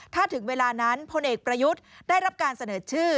ถ้าถึงเวลานั้นพลเอกประยุทธ์ได้รับการเสนอชื่อ